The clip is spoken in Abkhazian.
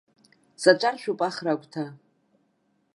Саҿаршәуп ахра агәҭа.